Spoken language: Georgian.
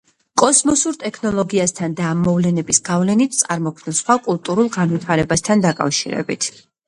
კოსმოსურ ტექნოლოგიასთან და ამ მოვლენების გავლენით წარმოქმნილ სხვა კულტურულ განვითარებასთან დაკავშირებით.